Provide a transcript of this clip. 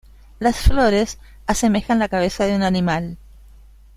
Las flores asemejan la cabeza de un animal.